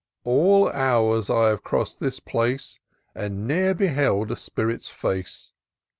All hours I have cross'd this place. And ne'er beheld a spirit's face.